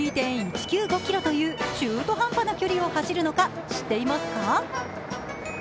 ｋｍという中途半端な距離を走るのか知っていますか。